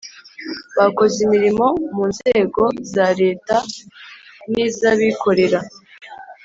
bakoze imirimo mu nzego za leta n iz abikorera